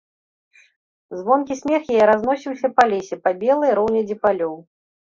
Звонкі смех яе разносіўся па лесе, па белай роўнядзі палёў.